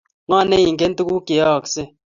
Ngo neingen tuguk cheyoyeske?